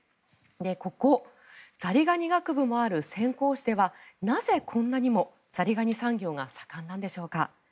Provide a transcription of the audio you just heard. ここ、ザリガニ学部のある潜江市ではなぜ、こんなにもザリガニ産業が盛んなのでしょうか。